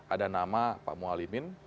ada nama pak mualimin